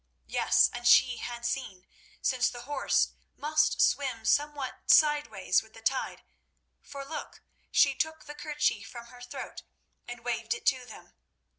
Yes, and she had seen, since the horse must swim somewhat sideways with the tide, for look, she took the kerchief from her throat and waved it to them.